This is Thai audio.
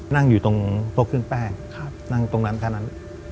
นั่งอยู่ตรงพวกเครื่องแป้งนั่งตรงนั้นแค่นั้น